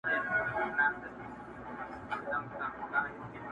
پر دوکان بېهوښه ناست لکه لرګی وو٫